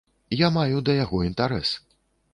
Я маю да яго інтэрас.